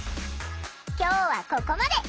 今日はここまで！